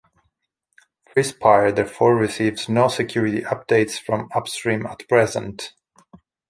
Freespire therefore receives no security updates from upstream at present.